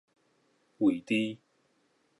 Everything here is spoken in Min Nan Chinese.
未知